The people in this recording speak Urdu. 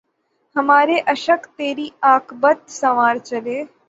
ہمارے اشک تری عاقبت سنوار چلے